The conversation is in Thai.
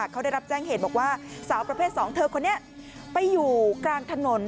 เขาได้รับแจ้งเหตุบอกว่าสาวประเภท๒เธอคนนี้ไปอยู่กลางถนน